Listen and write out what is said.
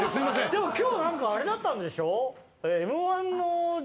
でも今日なんかあれだったんでしょ？